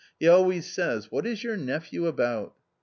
He always says, what is your nephew about